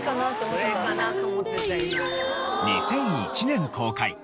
２００１年公開